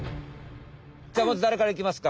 じゃあまずだれからいきますか？